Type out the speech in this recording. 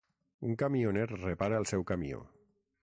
Un camioner repara el seu camió.